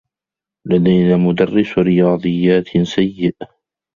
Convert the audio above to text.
لدينا مدرّس رياضيّات سيّء.